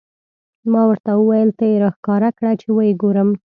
ما ورته وویل: ته یې را ښکاره کړه، چې و یې ګورم.